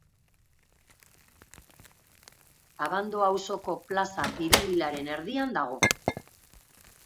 Abando auzoko Plaza Biribilaren erdian dago.